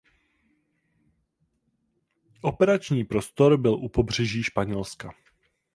Operační prostor byl u pobřeží Španělska.